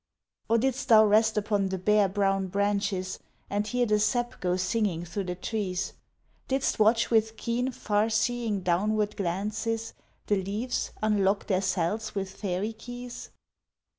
Or didst thou rest upon the bare brown branches And hear the sap go singing through the trees? Didst watch with keen, far seeing downward glances, The leaves unlock their cells with fairy keys?